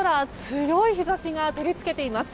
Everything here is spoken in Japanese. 強い日差しが照り付けています。